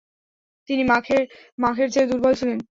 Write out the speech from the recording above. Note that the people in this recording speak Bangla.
তিনি মাখের চেয়ে দুর্বল ছিলেন।